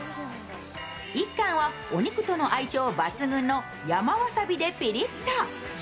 １貫はお肉との相性抜群の山わさびでピリッと。